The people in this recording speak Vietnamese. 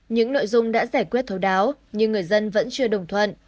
những nội dung đã giải quyết thấu đáo nhưng người dân vẫn chưa đồng thuận